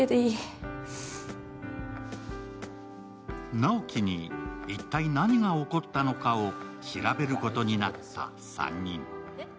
直木に一体何が起こったのかを調べることになった３人。